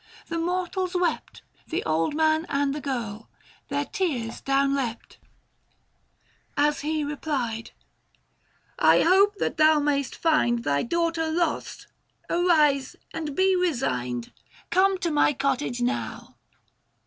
The mortals wept ; The old man and the girl, their tears down leapt 590 I 122 THE FASTI. Book IV. xis he replied, " I hope that thou may'st find Thy daughter lost. Arise, and be resigned ; Come to my cottage now."